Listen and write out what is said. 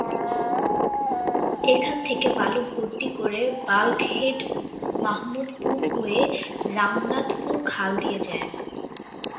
এখান থেকে বালু ভর্তি করে বাল্কহেড মাহমুদপুর হয়ে রামনাথপুর খাল দিয়ে যায়।